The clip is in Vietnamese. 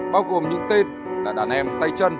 bao gồm những tên là đàn em tay chân